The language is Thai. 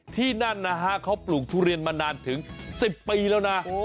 ที่นั่นนะฮะเขาปลูกทุเรียนมานานถึง๑๐ปีแล้วนะ